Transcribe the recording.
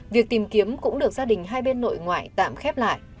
việc tìm kiếm cũng được gia đình hai bên nội ngoại tạm khép lại